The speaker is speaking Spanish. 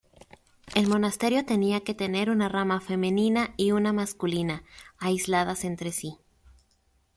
El monasterio tenía que tener una rama femenina y una masculina, aisladas entre sí.